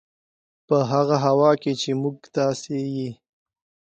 په هغه هوا کې وي چې موږ تاسې یې